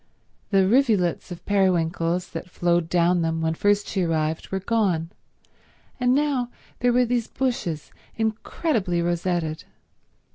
The rivulets of periwinkles that flowed down them when first she arrived were gone, and now there were these bushes, incredibly rosetted.